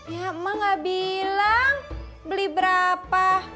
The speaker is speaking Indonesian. ya mak nggak bilang beli berapa